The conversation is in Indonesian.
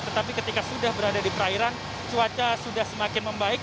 tetapi ketika sudah berada di perairan cuaca sudah semakin membaik